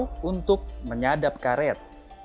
semarau untuk menyadap karet